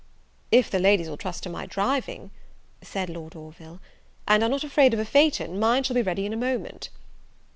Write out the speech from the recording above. "If the ladies will trust to my driving," said Lord Orville, "and are not afraid of a phaeton, mine shall be ready in a moment."